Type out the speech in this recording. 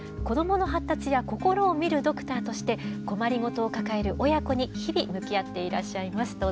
子どもの発達や心を診るドクターとして困りごとを抱える親子に日々向き合っていらっしゃいます。